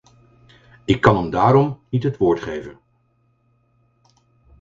Ik kan hem daarom niet het woord geven.